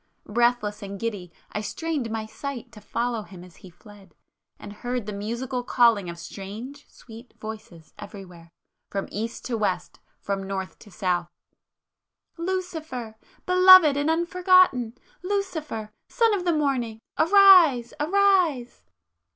Breathless and giddy, I strained my sight to follow him as he fled; ... and heard the musical calling of strange sweet voices everywhere, from east to west, from north to south. "Lucifer! ... Belovëd and unforgotten! Lucifer, Son of the morning! Arise! ... arise!